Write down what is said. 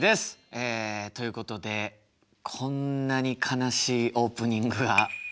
えということでこんなに悲しいオープニングがあったでしょうか。